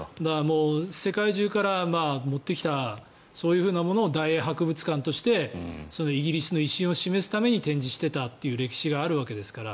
世界中から持ってきたそういうものを大英博物館としてイギリスの威信を示すために展示していたという歴史があるわけですから。